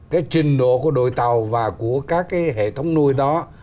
cái trình độ của đội tàu và của các cái hệ thống nuôi đó